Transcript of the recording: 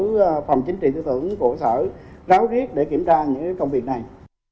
các phòng chính trị tư tưởng của sở ráo riết để kiểm tra những công việc này